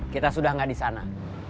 kita sudah tidak di sana